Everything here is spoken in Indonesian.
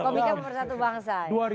komika pembersatu bangsa ya